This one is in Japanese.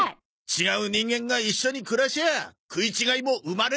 違う人間が一緒に暮らしゃ食い違いも生まれるもんだ。